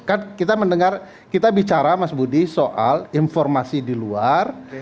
kan kita mendengar kita bicara mas budi soal informasi di luar